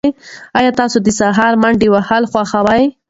ایا تاسي د سهار منډه وهل خوښوئ؟